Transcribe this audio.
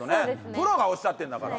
プロがおっしゃってんだから。